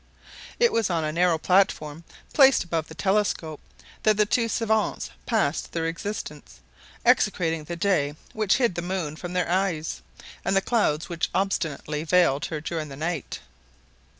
It was on a narrow platform placed above the telescope that the two savants passed their existence, execrating the day which hid the moon from their eyes, and the clouds which obstinately veiled her during the night.